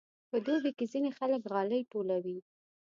په دوبي کې ځینې خلک غالۍ ټولوي.